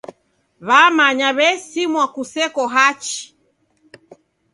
W'amanya w'esimwa kuseko hachi.